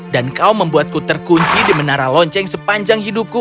dan kau membuatku terkunci di menara lonceng sepanjang hidupku